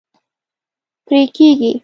پرې کیږي